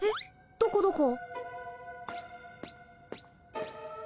どこどこ？